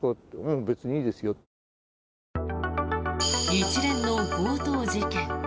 一連の強盗事件。